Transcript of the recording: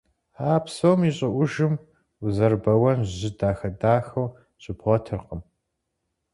А псом и щӀыӀужым узэрыбэуэн жьы дахэ-дахэу щыбгъуэтыркъым.